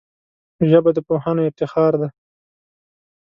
ژبه د پوهانو افتخار دی